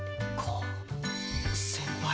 先輩。